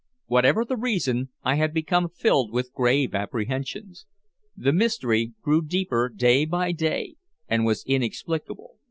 Whatever the reason, I had become filled with grave apprehensions. The mystery grew deeper day by day, and was inexplicable.